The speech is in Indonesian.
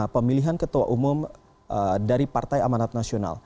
pemilihan ketua umum dari partai amanat nasional